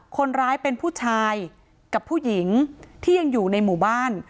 คนร้ายเป็นผู้ชายกับผู้หญิงที่ยังอยู่ในหมู่บ้าน